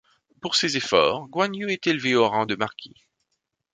Pour ses efforts, Guan Yu est élevé au rang de marquis.